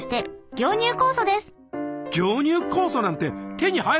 凝乳酵素なんて手に入るのかな？